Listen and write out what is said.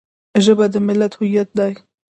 ژبه د ملت هویت دی